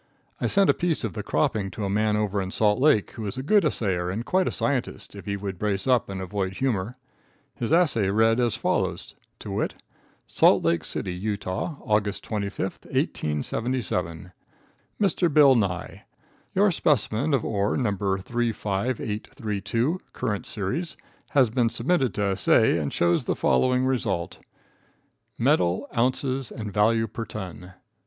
I sent a piece of the cropping to a man over in Salt Lake, who is a good assayer and quite a scientist, if he would brace up and avoid humor. His assay read as follows to wit: Salt Lake City, U.T., August 25, 1877. Mr. Bill Nye: Your specimen of ore No. 35832, current series, has been submitted to assay and shows the following result: Metal. Ounces. Value per ton.